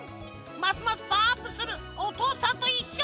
ますますパワーアップする「おとうさんといっしょ」